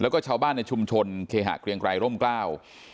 แล้วก็ชาวบ้านในชุมชนเคหะเกรียงไกรร่มกล้า